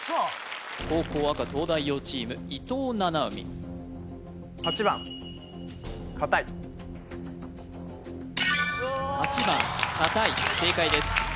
後攻赤東大王チーム伊藤七海８番かたい正解です